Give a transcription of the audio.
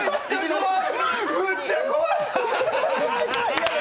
むっちゃ怖い！